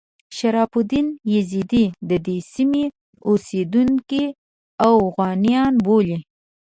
شرف الدین یزدي د دې سیمې اوسیدونکي اوغانیان بولي.